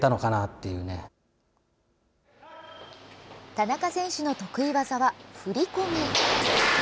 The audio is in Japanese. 田中選手の得意技はふりこみ。